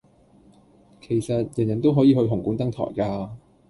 其實，人人都可以去紅館登台噶!